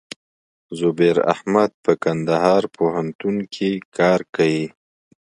زبير احمد په کندهار پوهنتون کښي کار کيي.